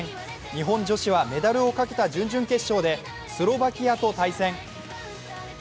日本女子はメダルをかけた準々決勝でスロバキアと対戦。